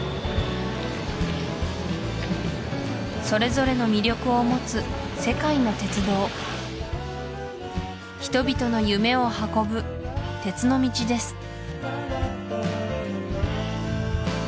それぞれの魅力を持つ世界の鉄道人々の夢を運ぶ鉄の道です